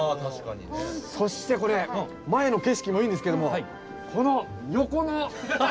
そしてこれ前の景色もいいんですけどもこの横の！